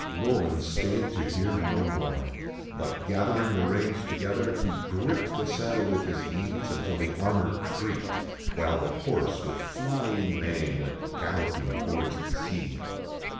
Roland stayed to hear no more ; but gathering the reins together, he gripped the saddle with his knees until the armor creaked, while the horse, with flying mane, went galloping towards the sea.